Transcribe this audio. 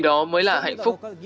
đấy là hạnh phúc